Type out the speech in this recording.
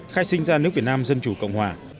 khai sinh ra nước việt nam dân chủ cộng hòa